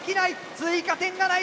追加点がない。